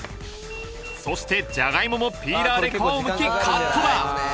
そしてじゃがいももピーラーで皮をむきカットだ